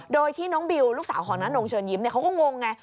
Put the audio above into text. โดยที่น้องบิวลูกสาวของน้านงเชิญยิ้มเขาก็งงไง